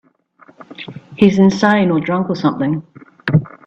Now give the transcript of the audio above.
He's insane or drunk or something.